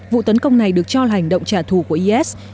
vụ tấn công này được cho là hành động trả thù của is